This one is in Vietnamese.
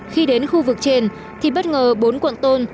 khi đến khu vực trên thì bất ngờ bốn cuộn tôn